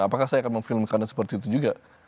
apakah saya akan memfilmkan seperti itu juga